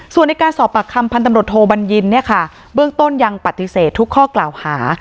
ส่วนในการสอบปากคำพันธุ์ตำรวจโทบัญญินเนี่ยค่ะเบื้องต้นยังปฏิเสธทุกข้อกล่าวหา